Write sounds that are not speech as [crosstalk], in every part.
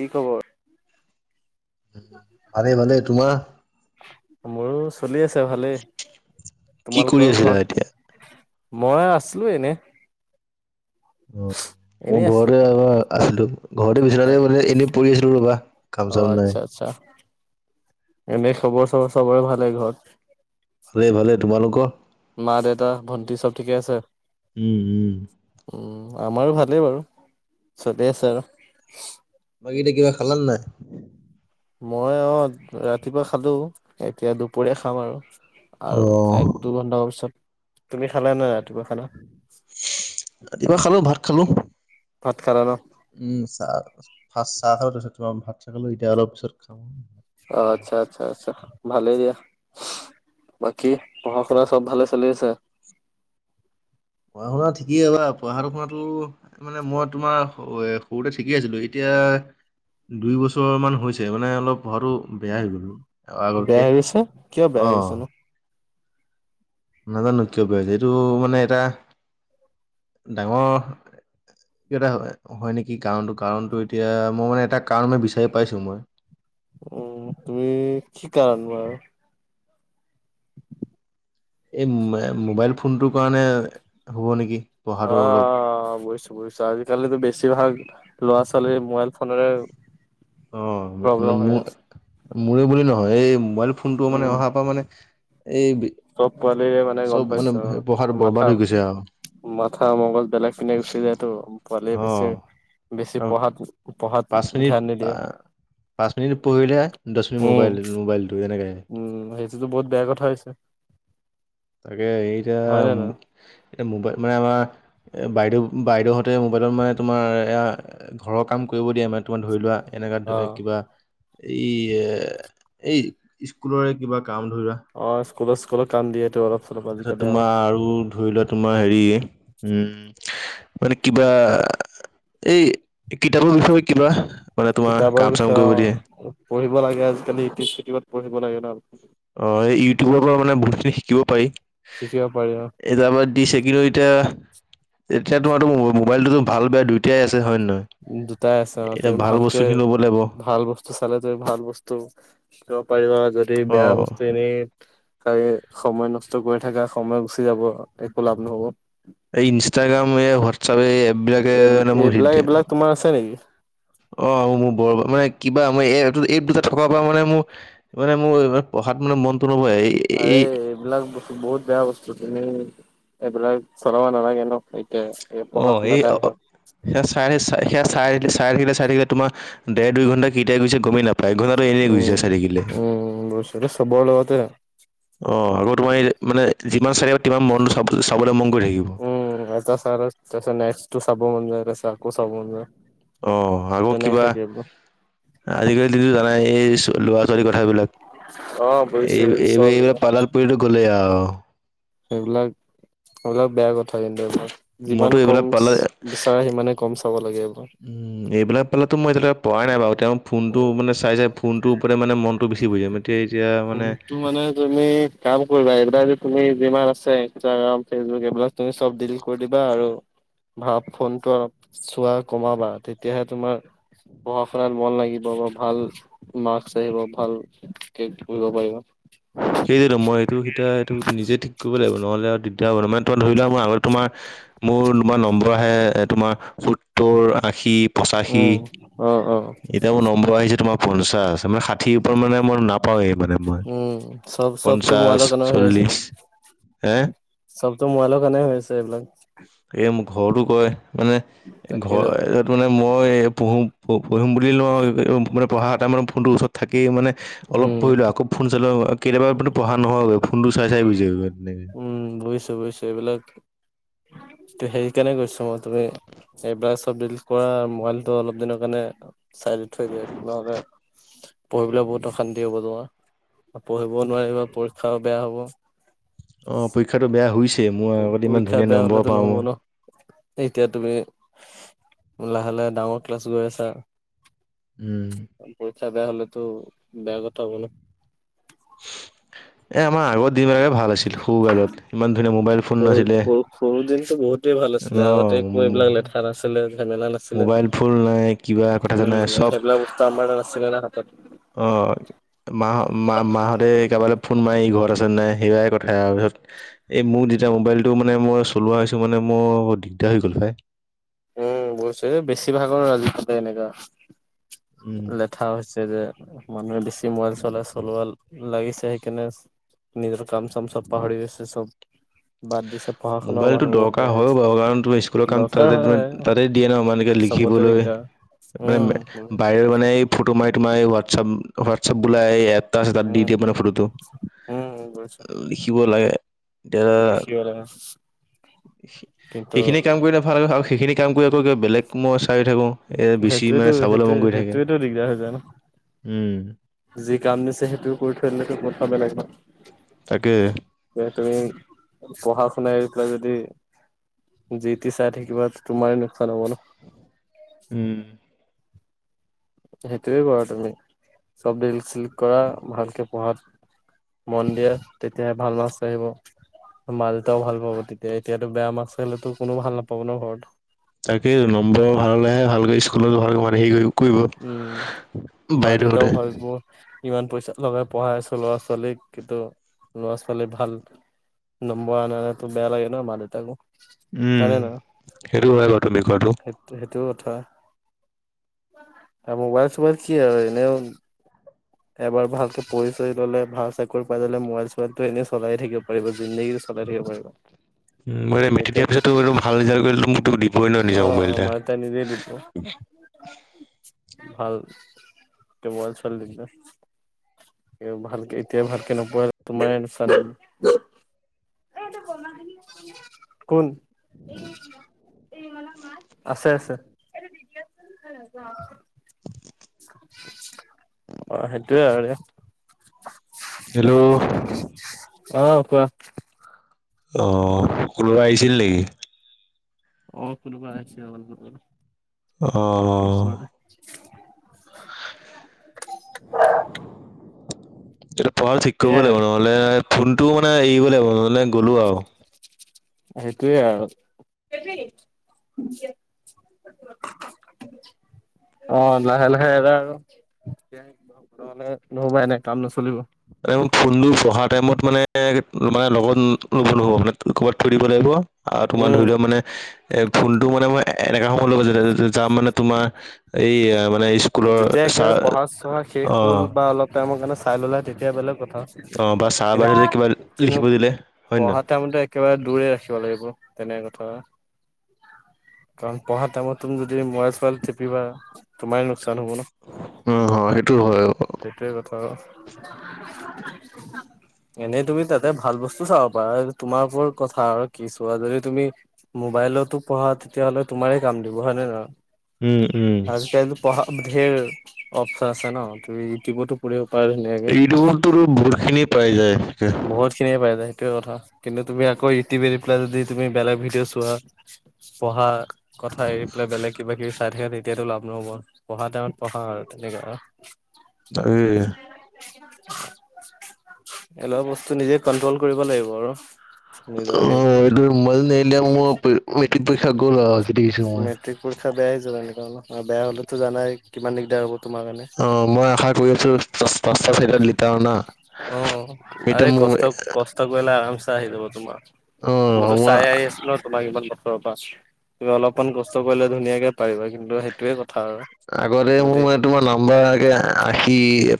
কি খবৰ? ভালে ভালে তোমাৰ? মোৰো চলি আছে আৰু ভালেই। কি কৰি তোমালোকৰ আছিলা এতিয়া? ঘৰত মই আছো এনে। অ' মোৰ এনেই আছিলো ঘৰতে ঘৰত। এবাৰ আছিলো। ঘৰতে বিচনাতে হয়, মানে এনেই পৰি আছিলো ৰ'বা কাম অ' চাম নাই। আচ্ছা এনে খবৰ চবৰ চবৰে ভালে ঘৰত? ভালে ভালেই। তোমালোকৰ? মা দেউতা ভণ্টি চব ঠিকে আছে? উম উম। উম আমাৰো ভালেই বাৰু চলি আছে আৰু। বাকি এতিয়া কিবা খালানে নাই? মই অ', ৰাতিপুৱা খালো, এতিয়া দুপৰীয়া খাম আৰু। অ আৰু এক দু ঘণ্টা পিছত। তুমি খালা নে নাই ৰাতিপুৱা খানা? ৰাতিপুৱা খালো ভাত খালো। ভাত খালা ন'? উম, চাহ ফাৰ্ষ্ট চাহ খালো তাৰ পাছত তোমাৰ ভাত খালো এতিয়া অলপ পিছত খাম আৰু। অ', আচ্ছা। আচ্ছা, আচ্ছা, ভালেই দিয়া। বাকী, পঢ়া-শুনা চব ভালে চলি আছে? পঢ়া-শুনা ঠিকেইে, ৰ'বা পঢ়া-শুনাটো মানে মই তোমাৰ সৰুতে ঠিকেই আছিলোঁ। এতিয়া দুইবছৰ মান হৈছে, মানে অলপ পঢ়াটো বেয়া হৈ গ'ল। বেয়া আগতকে, হৈ গৈছে? কিয় বেয়া হৈ অ'। গৈছে নো? নাজানো কিয় বেয়া হৈছে। এইটো মানে, এটা ডাঙৰ এটা হয়, নেকি কাৰণটো, কাৰণটো এতিয়া মই এটা কাৰণ মই বিচাৰি পাইছোঁ মই। উম, তুমি কি কাৰণ বাৰু? এই মোবাইল ফোনটোৰ কাৰণে হ'ব নেকি! পঢ়াটো অলপ অ', বুজিছো, বুজিছো। আজিকালিতো বেছিভাগ ল'ৰা-ছোৱালী মোবাইল ফোনেৰে অ', প্ৰব্লেম হয় মো-মোৰে বুলি নহয়, এই মোবাইল ফোনটো মানে উম, অহা পা মানে এই চব পোৱালিৰে গম চব মানে পাইছো অ'। পঢ়াটো মাথা বৰবাদ হৈ গৈছে আৰু। মাথা মগজ বেলেগ পিনে গুচি যায়টো, পোৱালিয়ে বেছি অ বেছি পঢ়াত-পঢ়াত ধ্যান নিদিয়ে। আ, পাঁচ মিনিট পঢ়িলে দহ মিনিট উম, মোবাইল, মোবাইলটো তেনেকে। উম, সেইটোতো বহুত বেয়া কথা হৈছে। তাকে এইতিয়া, হয় নে নহয়? এতিয়া মোবাইল মানে আমাৰ বাইদেউ-বাইদেউহঁতে মোবাইলত মানে তোমাৰ এয়া ঘৰৰ কাম কৰিব দিয়ে মানে, তোমাৰ ধৰি লোৱা এনেকা ধৰি অ', কিবা এই এ, এই স্কুলৰে কিবা কাম ধৰিলোৱা। অ', স্কুলত, স্কুলত কাম দিয়েহ টো অলপ। চলপ তাৰপিছত আজিকালি অ', তোমাৰ আৰু ধৰি লোৱা তোমাৰ হেৰি উম মানে কিবা, এই কিতাপৰ বিষয়ে কিবা। মানে তোমাৰ কিতাপৰ কাম-চাম বিষয়ে কৰিব দিয়ে। অ'। পঢ়িব লাগে আজাকালি ইউটিউব-চিউটিউবত পঢ়িব লাগে ন ' [unintelligible] অ', এই ইউটিউবৰ পৰা মানে বহুতখিনি শিকিব পাৰি। শিকিব পাৰি অ'। [unintelligible] দিছে কিন্তু এতিয়া এতিয়া তোমাৰো মোবাইলটোতো ভাল বেয়া দুয়োটাই আছে হয় নে নহয়? দুটাই আছে অ', এতিয়া তুমি ভাল ভালকে বস্তুখিনি ল'ব লাগিব ভাল বস্তু বস্তু চালে তুমি ভাল বস্তু শিকিব পাৰিবা, যদি বেয়া অ বস্তু এনেই চাই সময় নষ্ট কৰি থাকা, সময় গুচি যাব। একো লাভ নহ'ব। এই ইনষ্টাগ্ৰাম, এই হোৱাটছআপ, এই এপবিলাকে এই ন' মোক হিট এইবিলাক দিয়ে। এইবিলাক তোমাৰ আছে নেকি অ', মোৰ বৰ মানে কিবা মই এই এপ দুটা, এই দুটা থকাৰ পৰা মানে মোৰ মানে মোৰ ইমান পঢ়াত মানে মনতটো ন'বহে, এই আৰে, এই এইবিলাক বস্তু বহুত বেয়া বস্তু, তুমি এইবিলাক চলাব নালাগে ন'! [unintelligible] অ', শুনা টাইম হয় সেই সেয়া চাই-চাই সেয়া চাই- চাই- চাই থাকিলে চাই থাকিলে তোমাৰ, দেৰ দুইঘণ্টা কেতিয়া গৈছে গমেই নাপায়। একঘণ্টাটো এনেই গুচি উম যায় চাই থাকিলে। উম বুজিছো এইটো চবৰ লগতে হয়। অঁ, আকৌ তোমাৰ মানে যিমান চাই থাকিবা তিমান মনটো চাব চাবলৈ মন কৰি থাকিব। উম, এটা চাই লোৱা পাছত তাৰপাছত নেক্সটটো চাব মন যায় আকৌ চাব মন যায়। অঁ, - তেনেকে থাকে ক। আজিকালিটো তুমি জানাই এই ল'ৰা-ছোৱালী কথাবিলাক। অ এই বুজিছো চব এইবিলাক-এইবিলাক পালাত গ'লেই আওঁ। সেইবিলাক অলপ বেয়া কথা কিন্তু - যিমান মইতো কম এইবিলাক পালাত বিচাৰে সিমানে কম চাব লাগে ক। উম, এইবিলাক পালাতো মই এতিয়ালেকে পৰাই নাই বাৰু। তেওঁ ফোনটো মানে চাই, চাই- ফোনটোৰ ওপৰতে মানে মনটো বেছি বহি যায়। তে এতিয়া- মানে ফোনটো মানে তুমি- কাম কৰিবা এইবাৰ যে তুমি যিমান আছে ইনষ্টাগ্ৰাম, ফেচবুক এইবিলাক তুমি সব ডিলিট কৰি দিবা আৰু- ভাপ ফোনটো অলপ চোৱা কমাবা তেতিয়াহে তোমাৰ- পঢ়া শুনাত মন লাগিব বা ভাল মাৰ্ক্স আহিব, ভাল- বুজিব পাৰিব। সেইটোৱেতো, মই এইটো, সেইটা, এইটো নিজে ঠিক কৰিব লাগিব, নহ'লে আৰু দিগদাৰ হ'ব। ত ধৰি লোৱা মোৰ আগৰ তোমাৰ মোৰ- তোমাৰ নম্বৰ আহে তোমাৰ সত্তৰ, আশী, পঁচাশী। অঁ, অঁ। এতিয়া মোৰ নম্বৰ আহিছে তোমাৰ পঞ্চাশ মানে সাত। ঠিৰ মানে মই নাপাওঁৱেই মানে মই উম চব চবতো মোবাইলৰ পঞ্চাশ, কাৰণে চল্লিশ। হে সবতো মোবাইলৰ কাৰনে হৈছে এইবিলাক। এই মোৰ ঘৰতো কয় মানে তাকেইতো ঘৰ মানে মই পুঢ়ো পু- পঢ়িম বুলি লওঁ মানে পঢ়া এটা মানে ফোনটোৰ ওচৰত থাকেই মানে অলপ উম পঢ়িলোঁ আকৌ- ফোন চালো, কেতিয়াবা কিন্তু পঢ়া নহয়গৈ ফোনটো চাই চাই গুচি গৈ তেনেকে। উম বুজিছো, বুজিছো, এইবিলাক- তো সেইকাৰণে কৈছো মই তুমি এইবিলাক সব ডিলিট কৰা, মোবাইলটো অলপ দিনৰ কাৰণে- চাইদত থৈ দিয়া, নহলে পঢ়িবলৈ বহুত অশান্তি হব তোমাৰ। পঢ়িব নোৱাৰিবা, পৰীক্ষাও বেয়া হ'ব। অঁ, পৰীক্ষাটো বেয়া হৈছে। মোৰ আগতে ইমান পৰীক্ষা ধুনীয়া বেয়া নম্বৰ হলেতো পাওঁ নহ'ব মই। ন। এতিয়া তুমি লাহে লাহে ডাঙৰ ক্লাছ গৈ আছা। উম। পৰীক্ষা বেয়া হলেতো বেয়া কথা হ'ব ন। এ আমাৰ আগৰ দিন বোৰে ভাল আছিল। সৰু কালত ইমান ধুনীয়া মোবাইল ফোন সৰু নাছিলে, সৰু সৰু দিনটো বহুতেই ভাল আছিলে আগতে অঁ। একো এইবিলাক লেঠা নাছিলে ঝেমেলা নাছিলে। মোবাইল ফোন নাই, কিবা কথা জানে সব- ডাম্বেল ডাল আছিলে না হাতত? অঁ। মাঁ- মাঁ মাঁতে কাৰবাৰৈ ফোন মাৰি ই ঘৰত আছে নে নাই সেইয়াই কথা আৰু পিছত- এই মইও যেতিয়া মোবাইলটো মানে মই চলোৱা হৈছো মানে মোৰ দিগদাৰ হৈ গ'ল পাই। উম, বস্তুটো বেছিভাগৰ আজি কালি এনেকা লেট। থা হৈছে যে মানুহে বেছি মোবাইল চলাই চলোৱাল- লাগিছে। সেইকাৰনে নিজৰ কাম চাম সব পাহৰি গৈছে, সব বাদ দিছে। পঢ়া শুনাও মোবাইলটো মানুহ বহুত দৰকাৰ বেয়া হৈ হয়ও আছে বাৰু কাৰণ তুমি স্কুলৰ কাম দৰকাৰ তাতে তুমি হয় তাতে দিয়ে ন মানে কিবা চবতে লিখিবলৈ দিগদাৰ মানে উম মে বাহিৰ এই মানে এই ফটো মাৰি তোমাৰ এই হোৱাটছ্আপ হোৱাটছ্আপ বোলা এই এপ তাৰপিছত তাত দি উম দিয়ে মানে ফটোটো উম গৈছো লিখিব লাগে এতিয়া [inaudible] কিন্তু সেইখিনি কাম কৰিলে ভাল আৰু সেইখিনি কাম কৰি আকৌ কিবা বেলেগ মই চাইও থাকো এ বেছি সেইটোৱেতো মানে চাবলৈ সেইটোৱে মন গৈ থাকে সেইটোৱেতো দিগদাৰ হৈ যায় ন উম যি কাম দিছে সেইটো কৰি থৈ দিলেতো কথা বেলেগ ন তাকেই যে তুমি পঢ়া শুনা এৰি পেলাই যদি জি তি চাই থাকিবা তো তোমাৰে লোকচান হ'ব ন উম হেটোৱে কৰা তুমি সব ডিলিট চিলিট কৰা ভালকে পঢ়াত মন দিয়া তেতিয়াহে ভাল মাৰ্ক্স আহিব মা দেউতাও ভাল পাব তেতিয়া এতিয়াতো বেয়া মাৰ্ক্স আহিলেতো কোনো ভাল নাপাব ন ঘৰত তাকেইতো নম্বৰ ভাল হলেহে ভালকৈ স্কুলতো ভালকৈ মানে হেৰি কৰিব উম কৰিব মা দেউতাও বাইদহঁতে। ভাবিব ইমান পইচা লগাই পঢ়াই আছো ল'ৰা ছোৱালীক কিন্তু ল'ৰা ছোৱালী ভাল- নম্বৰ আনা নাই তো বেয়া লাগে ন' মা দেউতাকো। উম সেইটো হয় বাৰু তুমি কোৱাটো। সেইটো সেইটো কথা, মোবাইল চোবাইল সি আৰু এনেও। এবাৰ ভালকে পঢ়ি চঢ়ি ল'লে ভাল চাকৰি পাই গলে মোবাইল চোবাইল টো এনেই চলাই থাকিব পাৰিবা জিন্দেগী। চলাই থাকিব পাৰিবা। উম মই মেট্ৰিক দিয়াৰ পিছতটো বাৰু ভাল ৰিজাল্ট কৰিলেটো মোকটো দিবই ন' অ নিজৰ মোবাইল এটা। ভাল এতিয়া মোবাইল চোবাইল নিদিলে। ভালকে এতিয়া ভালকে নপঢ়িলে তোমাৰে [inaudible] [inaudible] কোন? [inaudible] আছে আছে [inaudible] অ' হেটোয়ে আৰু। হেল্ল'। অ' কোৱা। অ' সকলো আহিছিল নেকি? অ' কোনোবা আহিছে অ'। ওচৰৰে। এতিয়া পঢ়া ঠিক কৰিবই সেইয়াই লাগিব আৰু নহ'লে ফোনটো মানে এৰিবই লাগিব নহলে গ'লো আৰু। হেটোয়ে আৰু। [inaudible] অ' লাহে লাহে এৰা আৰু নহলে নহ'ব এনে কাম নচলিব। মানে মোৰ ফোনটো পঢ়া টাইমত মানে মানে লগত ল'ব নহ'ব মানে ক'ৰবাত থৈ দিব লাগিব। আৰু তোমাৰ ধৰি উম লোৱা মানে এ ফোনটো মানে মই এনেকা সময়ত ল'ব যে যাম মানে তোমাৰ এই মানে ক্লু যেতিয়া একেবাৰে পঢ়া চঢ়া শেষ হ'ল বা অলপ টাইমৰ কাৰণে চাই ললা তেতিয়া বেলেগ কথা। কিন্তু অ বা ছাৰ বাইদেউহঁতে কিবা কিন্তু লিখিব দিলে হয় নে নহয়? পঢ়াৰ টাইমতে একেবাৰে দূৰে ৰাখিব লাগিব তেনে কথা। [inaudible] কাৰণ পঢ়া টাইমত তুমি যদি মোবাইল চোবাইল টিপিবা তোমাৰ- লোকচান হ'ব ন' উম হয় সেইটো হয়। উম সেইটোৱে কথা আৰু [unintelligible] এনেই তুমি তাতে ভাল বস্তু চাব পাৰা তোমাৰ ওপৰত কথা আৰু কি ছোৱা, যদি তুমি মোবাইলতো পঢ়া তেতিয়াহলে তোমাৰে কাম দিব হয় নে উম নহয় আজিকালিতো পঢ়া ঢেৰ অপচন আছে ন' তুমি ইউটিউবতো পঢ়িব পাৰা ধুনীয়াকে ইউটিউবতটো বহুত খিনি পাই যায় এতিয়া বহুত খিনিয়ে পাই যায় সেইটোৱে কথা কিন্তু তুমি আকো ইউটিউব এৰি পেলাই যদি তুমি বেলেগ ভিডিঅ' চোৱা পঢ়াৰ কথা এৰি পেলাই বেলেগ কিবা কিবি চাই থাকা তেতিয়াতো লাভ নহব, পঢ়া টাইমত পঢ়া আৰু তেনেকুৱা তাকে এইবিলাক বস্তু নিজে কন্ট্ৰল কৰিব লাগিব আৰু নিজৰ হেৰিতে। অ' এইটোয়ে মোবাইলটো নেৰিলে মোৰ প মেট্ৰিক পৰীক্ষা গল আৰু যি দেখিছো মই মেট্ৰিক পৰীক্ষা বেয়া হৈ যাব এনেকা হলে আৰু বেয়া হলেটো জানাই কিমান দিগদাৰ হ'ব তোমাৰ কাৰণে। অ' মই আশা কৰি আছিলো পাঁচটা চাৰিটাত লেটাৰ অনা অ আৰে কষ্ট কষ্ট কৰিলে আৰামচে আহি যাব তোমাৰ, অ মইতো মই চাই আহি আছো ন তোমাক ইমান বছৰৰ পৰা, তুমি অলপমান কষ্ট কৰিলে ধুনীয়াকে পাৰিবা কিন্তু সেইটোৱে কথা আগতে আৰু মোৰ যদি মানে তোমাৰ নাম্বাৰ আগে আশী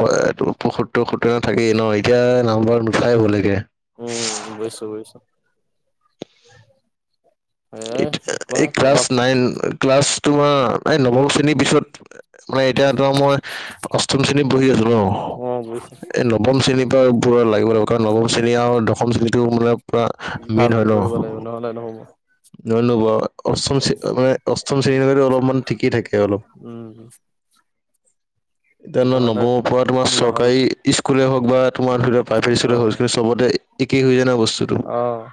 পয় পসত্তৰ সত্তৰ থাকে ন' এতিয়া নাম্বাৰ নুঠাই হলেগে উম, বুইছো বুইছো এ এই ক্লাছ নাইন ক্লাছ তোমাৰ এই নৱম শ্ৰেণীৰ পিছত মানে এতিয়া ত মই অষ্টম শ্ৰেণীত পঢ়ি আছোঁ অ বুজিছো। ন ৱম শ্ৰেণীৰ পৰা পোৰা লাগিব লাগিব কাৰণ নৱম শ্ৰেণী আৰু দশম শ্ৰেণীটো মানে তোমাৰ মেইন ভালকে হয় কৰিব ন লাগিব নহ'লে নহ'ব ধন্যবাদ অষ্টম মানে অষ্টম শ্ৰেণীৰ বাবেটো অলপমান ঠিকেই থাকে অলপ উম এতিয়া নহ'লে নৱমৰ পৰা তোমাৰ নহ'ল চৰকাৰী স্কুলে হওঁক বা তোমাৰ ধৰি লক প্ৰাইভেড অ স্কুলে হওঁক চবতে একেই হৈ যাই ন বস্তুটো অ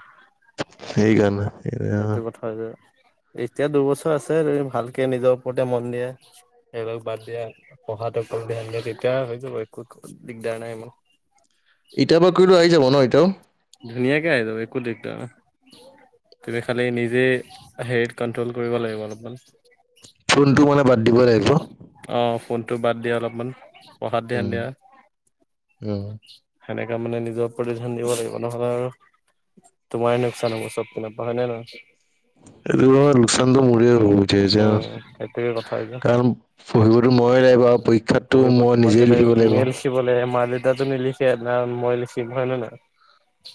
সেইকাৰণে সেইটো কথা হৈছে যে এতিয়া দুবছৰ আছে তুমি ভালকে নিজৰ ওপৰতে মন দিয়া এইবিলাক বাদ দিয়া পঢ়াটো অকল ধ্যান দিয়া তেতিয়া হৈ যাব একো দিগদাৰ নাই ইমান ইতিয়াৰ পৰা কৰিলোঁ আহি যাব ন এতিয়াওঁ ধুনীয়া কে আহি যাব একো দিগদাৰ নাই তুমি খালি নিজে হেৰিত কন্ট্ৰল কৰিব লাগিব অলপমান ফোনটো মানে বাদ দিব লাগিব অ ফোনটো বাদ দি অলপমান পঢ়াত ধ্যান উম দিয়া উম সেনেকা মানে নিজৰ প্ৰতিধ্যান দিব লাগিব নহ'লে আৰু তোমাৰে লোকচান হব চবপিনৰ পৰা হয় নে নহয় এইটো বাৰু লোকচানটো মোৰে হ'ব উম সেইটোৱে কথা এতিয়া। কাৰণ পঢ়িবতো মইএ লাগিব আৰু পৰীক্ষাতটো পঢ়িব মই তোমাকে নিজেই লিখিব লাগিব তুমিয়ে লিখিব লাগে মা দেউতাটো নিলিখে ন মই লিখিম হয় নে নহয় নয়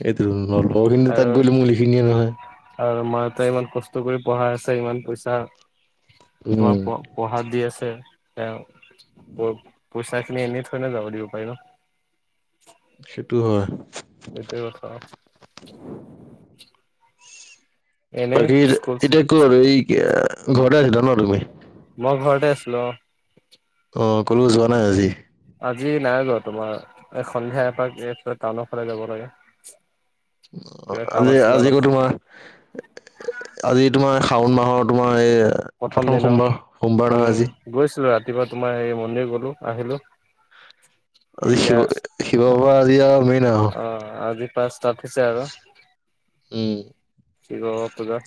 এইটো নলহখিনি তাক গ'লে মল এইখিনিয়ে নহয়, আৰু মা দেউতাই ইমান কষ্ট কৰি পঢ়াই আছে ইমান পইচা উম তোমাৰ প, পঢ়াত দি আছে তেওঁ প পইচা খিনি এনে থৰে না যাব দিব পাৰিবা। সেইটো হয়। সেইটো কথা। এনেই বাকী স্কুল এতিয়া কত আৰু এই ঘৰতে আহিলা ন তুমি? মই ঘৰতে আছিলোঁ অ, অ কলো যোৱা নাই আজি? আজি নাই যোৱা তোমাৰ এই সন্ধিয়া এপাক এইফ টাউনৰ ফালে যাব লাগে। কিবা কাম আজি আছিলে আজি কত অলপমান তোমাৰ, আজি তোমাৰ শাওণ মাহৰ তোমাৰ এই প্ৰথম সোমবাৰ সোমবাৰ নহয় আজি। গৈছিলোঁ ৰাতিপুৱা তোমাৰ হেৰি মন্দিৰ গলোঁ আহিলোঁ। আজি শিৱ শিৱ বাবা আজি আৰু মেইন আৰু, অ আজি পাচতা আছে আৰু উম শিৱ বাবাৰ পূজা।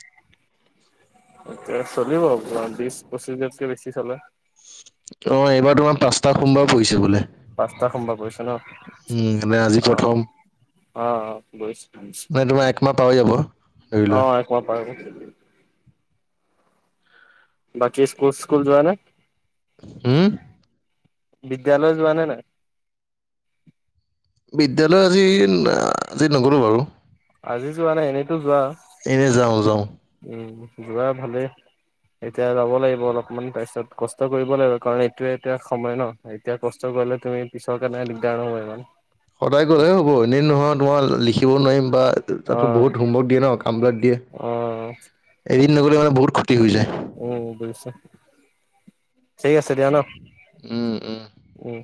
এতিয়া চলিব আপোনাৰ বিশ পঁচিছা দিনতকে বেছি চলে। অ এইবাৰ তোমাৰ পাঁচটা সোমবাৰ পৰিছে বোলে। পাঁচটা সোমবাৰ পঢ়িছে ন উম এনে আজি প্ৰথম অ অ অ গৈছোঁ। নাই তোমাৰ একমাহ পাৰ হৈ যাব ধৰি লোৱা। অ পাৰ হব। বাকী স্কুল যোৱা চিচকুল যোৱা নে? উম বিদ্যালয় যোৱানে নাই? বিদ্যালয় আজি আজি নগঁলো বাৰু। আজি যোৱা নাই এনেইতো যোৱা। এনেই যাওঁ যাওঁ। উম যোৱা ভালে। এতিয়া যাব লাগিব অলপমান তাৰ পিছত কষ্ট কৰিব লাগিব কাৰণ এইটোয়ে এতিয়া সময় ন। এতিয়া কষ্ট কৰিলে তুমি পিছৰ কাৰণে দিগদাৰ নহব ইমান। সদায় গলেহে হ'ব এনেই নহয় তোমাৰ লিখিব নোৱাৰিম বা তাতো অ', বহুত হোমৱৰ্ক দিয়ে ন কামবিলাক দিয়ে। অ এদিন নগ'লে মানে বহুত ক্ষতি হৈ যায়। উম বুজিছো, ঠিক আছে দিয়া ন। উম উম।